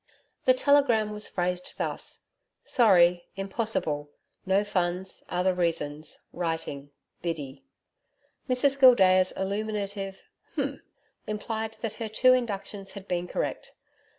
The telegram was phrased thus: SORRY IMPOSSIBLE NO FUNDS OTHER REASONS WRITING BIDDY Mrs Gildea's illuminative 'H'm!' implied that her two inductions had been correct.